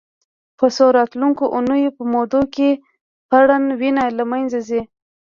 په څو راتلونکو اونیو په موده کې پرڼ وینه له منځه ځي.